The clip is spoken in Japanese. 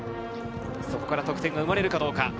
そこから得点が生まれるかどうか。